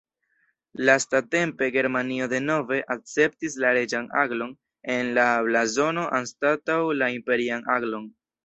Lastatempe Germanio denove akceptis la reĝan aglon en la blazono anstataŭ la imperian aglon.